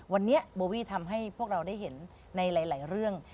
วันนี้โบวี่ทำให้พวกเราได้เห็นในหลายเรื่อง